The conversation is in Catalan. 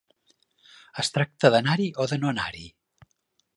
Es tracta d'anar-hi o de no anar-hi?